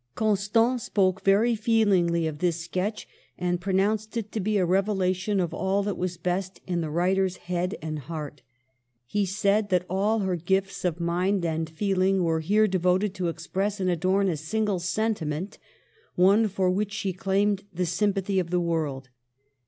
Constant spoke very feelingly of this sketch, and pronounced it to be a revelation of all that was best in the writer's head and heart He said that all her gifts of mind and feeling were here devoted to express and adorn a single sen timent, one for which she claimed the sympathy of the world.